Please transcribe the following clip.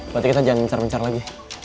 berarti kita jangan gencar mencar lagi